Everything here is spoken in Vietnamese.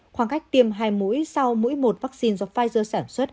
khoảng cách tiêm hai mũi sau mũi một vaccine do pfizer sản xuất